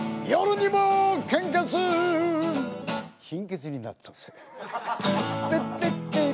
貧血になったぜ。